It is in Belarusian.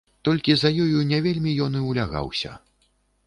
Толькі за ёю не вельмі ён і ўлягаўся.